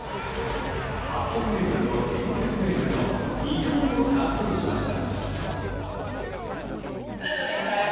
８００ｍと１５００ｍの２冠を達成しました。